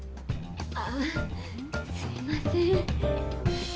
ああすいません。